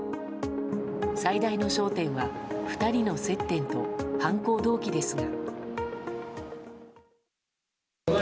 最大の焦点は２人の接点と犯行動機ですが。